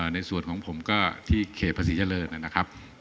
ในส่วนของผมก็ที่เขตภาษีเจริญนะครับ